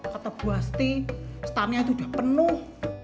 kata bu asti stannya itu udah penuh